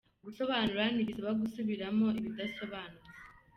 Gusobanura ntibisaba gusubiramo ibidasobanutse